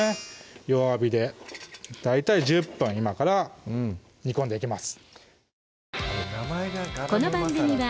弱火で大体１０分今から煮込んでいきます